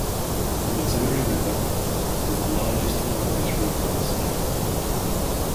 The Missouri River is the largest and longest river in the state.